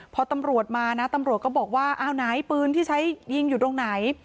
พอตำรวจมานะตำรวจก็บอกว่าอ้าวไหนปืนที่ใช้ยิงอยู่ตรงไหน